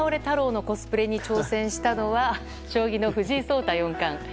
太郎のコスプレに挑戦したのは将棋の藤井聡太四冠。